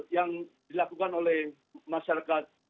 yang dilakukan oleh masyarakat